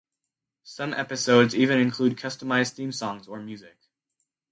Some episodes even include customized theme songs or music.